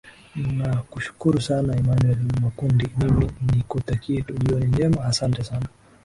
nakushukuru sana emmanuel makundi mimi nikutakie tu jioni njema ahsante sana